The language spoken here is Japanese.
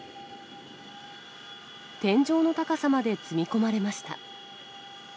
天井の高さまで積み込まれました。